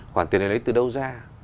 khoản tiền này lấy từ đâu ra